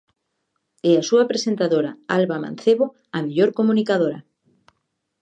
E a súa presentadora, Alba Mancebo, a mellor comunicadora.